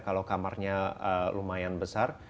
kalau kamarnya lumayan besar